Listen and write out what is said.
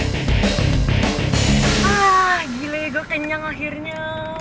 gila ya gue kenyang akhirnya